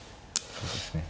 そうですね。